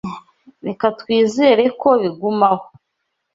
Reka twizere ko bigumaho.